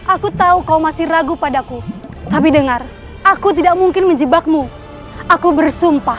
aku tahu kau masih ragu padaku tapi dengar aku tidak mungkin menjebakmu aku bersumpah